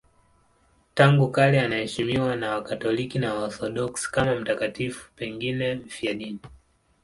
Tangu kale anaheshimiwa na Wakatoliki na Waorthodoksi kama mtakatifu, pengine mfiadini.